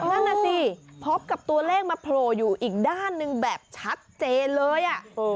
นั่นน่ะสิพบกับตัวเลขมาโผล่อยู่อีกด้านหนึ่งแบบชัดเจนเลย